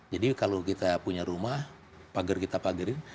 jadi kalau kita punya rumah pagar kita pagarin